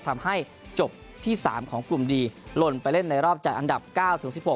ทำให้จบที่๓ของกลุ่มดีลนไปเล่นในรอบจัดอันดับ๙ถึง๑๖